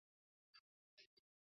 এটা কিন্তু স্বীকার করতেই হবে।